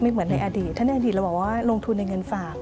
เหมือนในอดีตถ้าในอดีตเราบอกว่าลงทุนในเงินฝาก